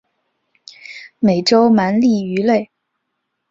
美洲鳗鲡鱼类。